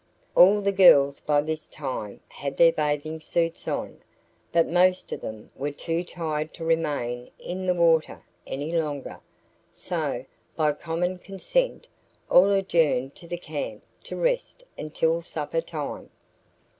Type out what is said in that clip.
All the girls by this time had their bathing suits on, but most of them were too tired to remain in the water any longer; so, by common consent, all adjourned to the camp to rest until suppertime.